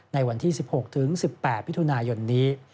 ในวันที่๑๖๑๘พิทุนาย่อนนี้